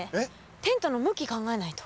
テントの向き考えないと。